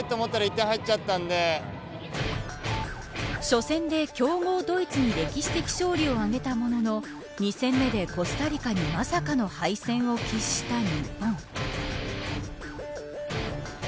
初戦で強豪ドイツに歴史的勝利を挙げたものの２戦目でコスタリカにまさかの敗戦を喫した日本。